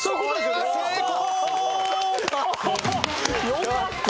よかった！